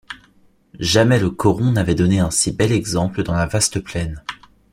Jamais le coron n’avait donné un si bel exemple, dans la vaste plaine.